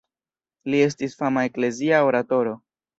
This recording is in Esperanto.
Li estis fama eklezia oratoro.